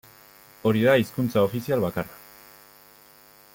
Hori da hizkuntza ofizial bakarra.